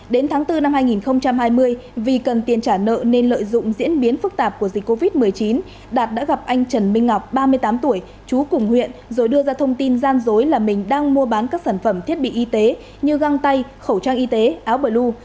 đến tháng bốn năm hai nghìn hai mươi vì cần tiền trả nợ nên lợi dụng diễn biến phức tạp của dịch covid một mươi chín đạt đã gặp anh trần minh ngọc ba mươi tám tuổi chú cùng huyện rồi đưa ra thông tin gian dối là mình đang mua bán các sản phẩm thiết bị y tế như găng tay khẩu trang y tế áo bờ lưu